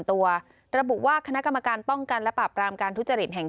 ตัวระบุว่าคณะกรรมการป้องกันและปราบรามการทุจริตแห่ง